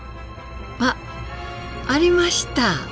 あっありました。